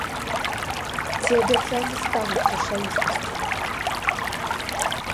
Ці абяцанні стануць рэчаіснасцю?